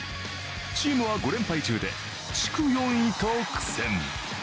チームは５連敗中で地区４位と苦戦。